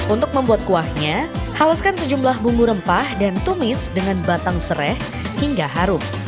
untuk membuat kuahnya haluskan sejumlah bumbu rempah dan tumis dengan batang serai hingga harum